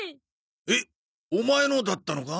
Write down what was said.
えっオマエのだったのか？